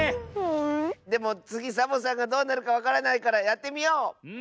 でもつぎサボさんがどうなるかわからないからやってみよう！